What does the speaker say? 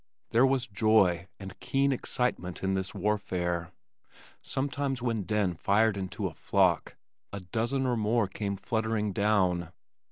There was joy and keen excitement in this warfare. Sometimes when Den fired into a flock, a dozen or more came fluttering down.